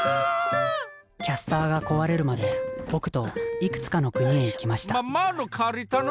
キャスターが壊れるまで僕といくつかの国へ行きましたママの借りたの？